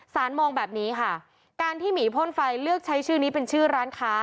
มองแบบนี้ค่ะการที่หมีพ่นไฟเลือกใช้ชื่อนี้เป็นชื่อร้านค้า